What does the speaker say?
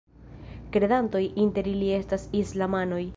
Kredantoj inter ili estas islamanoj.